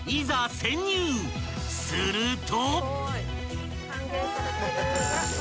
［すると］